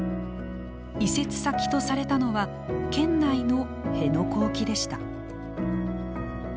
移設先とされたのは県内の辺野古沖でした。